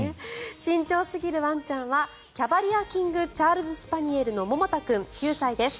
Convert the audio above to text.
慎重すぎるワンちゃんはキャバリア・キング・チャールズ・スパニエルのモモタ君、９歳です。